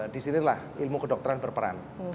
disinilah ilmu kedokteran berperan